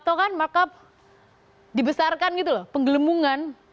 tau kan markup dibesarkan gitu loh penggelembungan